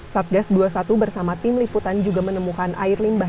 satgas dua puluh satu bersama tim liputan juga menemukan air limbah